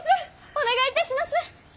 お願いいたします！